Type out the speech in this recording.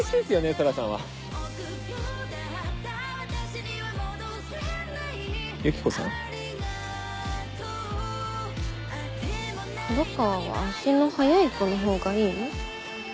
黒川は足の速い子のほうがいいの？